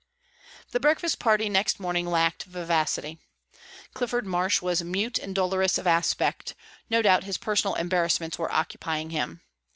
The breakfast party next morning lacked vivacity. Clifford Marsh was mute and dolorous of aspect; no doubt his personal embarrassments were occupying him.